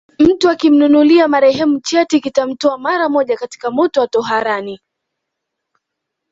Mtu akimnunulia marehemu cheti kitamtoa mara moja katika moto wa toharani